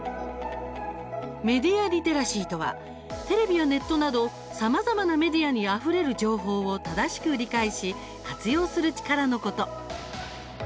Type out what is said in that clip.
メディア・リテラシーとはテレビやネットなどさまざまなメディアにあふれる情報を正しく理解し活用する力のこと。